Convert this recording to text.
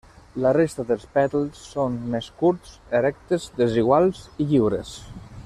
La resta dels pètals són més curts, erectes, desiguals i lliures.